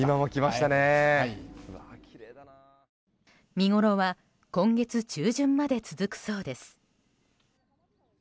見ごろは今月中旬まで続くそうです。